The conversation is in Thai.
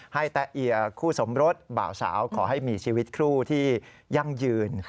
แตะเอียคู่สมรสบ่าวสาวขอให้มีชีวิตคู่ที่ยั่งยืน